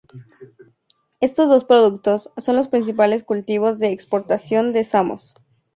Estos dos productos son los principales cultivos de exportación de Samos.